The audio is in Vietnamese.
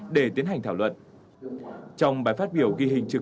đểrum hiện tại các nước và các v hopedo lrees phiêu thao b teacher